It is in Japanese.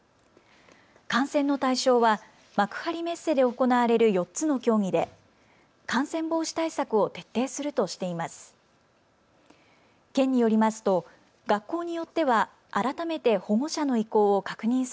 観戦の対象は幕張メッセで行われる４つの競技で感染防止対策を徹底するとしています。